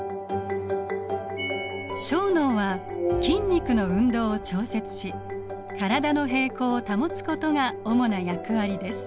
小脳は筋肉の運動を調節し体の平衡を保つことが主な役割です。